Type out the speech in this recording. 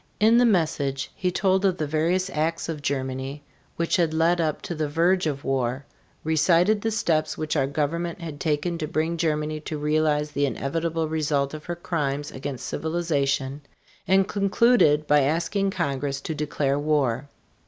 In the message he told of the various acts of Germany which had led up to the verge of war, recited the steps which our government had taken to bring Germany to realize the inevitable results of her crimes against civilization, and concluded by asking Congress to declare war.